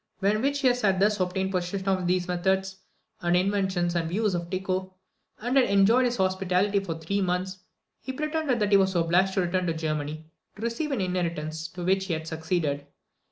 When Witichius had thus obtained possession of the methods, and inventions, and views of Tycho, and had enjoyed his hospitality for three months, he pretended that he was obliged to return to Germany to receive an inheritance to which he had succeeded.